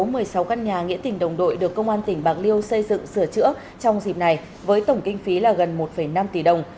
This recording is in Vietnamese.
một mươi sáu căn nhà nghĩa tỉnh đồng đội được công an tỉnh bạc liêu xây dựng sửa chữa trong dịp này với tổng kinh phí là gần một năm tỷ đồng